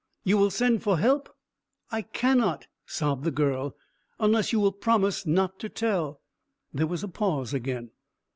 "You will send for help?" "I cannot," sobbed the girl, "unless you will promise not to tell." There was a pause again.